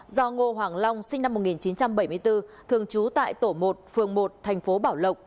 do ngô hoàng long sinh năm một nghìn chín trăm bảy mươi bốn thường trú tại tổ một phường một thành phố bảo lộc